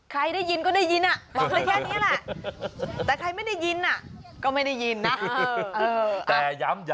ใครได้ยินก็ได้ยินบอกได้แค่นี้แหละ